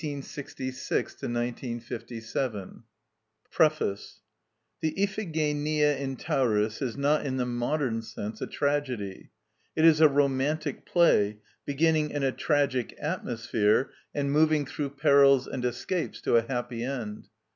REGIUS PROFESSOR OF GREEK IN THE UNIVERSITY OF OXFORD PREFACE The Iphigenia in Tauris is not in the modern sense a tragedy; it is a romantic play, beginning in a tragic atmosphere and moving through perils and escapes to a happy end.